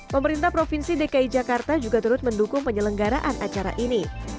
pemerintah provinsi dki jakarta juga turut mendukung penyelenggaraan acara ini